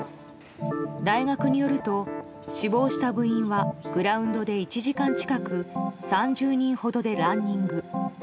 大学によると死亡した部員はグラウンドで１時間近く３０人ほどでランニング。